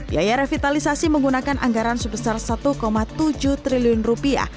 biaya revitalisasi menggunakan anggaran sebesar satu tujuh triliun rupiah